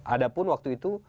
ada pun waktu itu